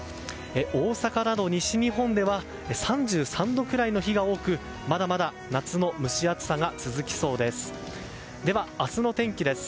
大阪など西日本では３３度くらいの日が多くまだまだ夏の蒸し暑さが続きそうです。